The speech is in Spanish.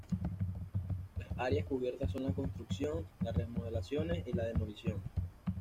Las áreas cubiertas son la construcción, las remodelaciones y la demolición.